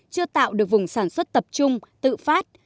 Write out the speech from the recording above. chưa tạo được vùng sản xuất tập trung tự phát